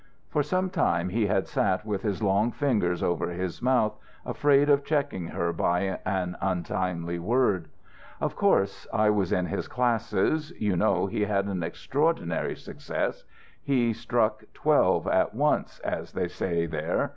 For some time he had sat with his long fingers over his mouth, afraid of checking her by an untimely word. "Of course I was in his classes. You know he had an extraordinary success; he struck twelve at once, as they say there.